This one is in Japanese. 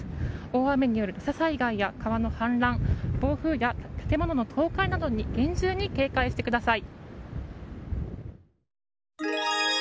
大雨による土砂災害や川の氾濫暴風や建物の倒壊などに厳重に警戒してください。